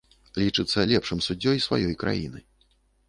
Лічыцца лепшым суддзёй сваёй краіны.